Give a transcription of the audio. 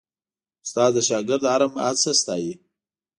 استاد د شاګرد هره هڅه ستايي.